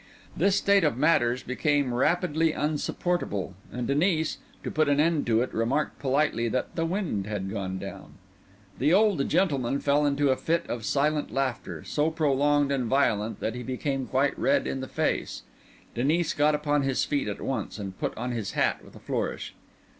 This state of matters became rapidly insupportable; and Denis, to put an end to it, remarked politely that the wind had gone down. The old gentleman fell into a fit of silent laughter, so prolonged and violent that he became quite red in the face. Denis got upon his feet at once, and put on his hat with a flourish.